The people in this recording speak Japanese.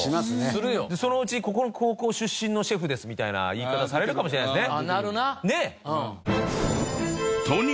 そのうち「ここの高校出身のシェフです」みたいな言い方されるかもしれないですね。